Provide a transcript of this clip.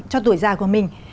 cho tuổi già của mình